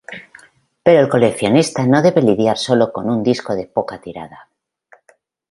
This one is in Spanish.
Pero el coleccionista no debe lidiar solo con un disco de poca tirada.